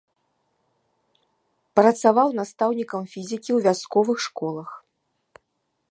Працаваў настаўнікам фізікі ў вясковых школах.